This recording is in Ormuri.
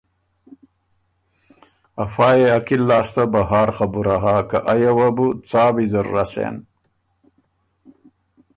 افا يې عقل لاسته بهر خبُره هۀ که ائ یه وه بُو څا ویزر رسېن۔